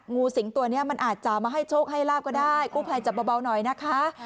งูสิงตัวนี้มันอาจจะมาให้โชคให้ลาบก็ได้กู้ภัยจับเบาหน่อยนะคะ